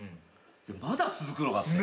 まだ続くのかって。